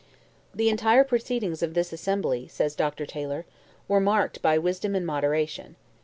"The entire proceedings of this Assembly," says Dr. Taylor, "were marked by wisdom and moderation.